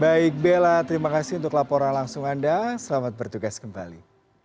baik bella terima kasih untuk laporan langsung anda selamat bertugas kembali